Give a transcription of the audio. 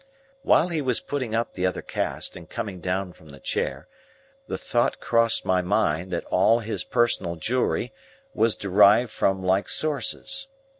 While he was putting up the other cast and coming down from the chair, the thought crossed my mind that all his personal jewelry was derived from like sources.